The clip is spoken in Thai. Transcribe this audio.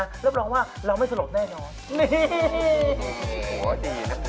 อยู่ตรงนี้นะเรียบร้อยว่าเราไม่สะหรับแน่นอน